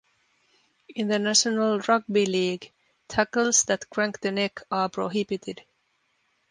In the National Rugby League, tackles that crank the neck are prohibited.